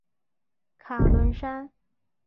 卡伦山。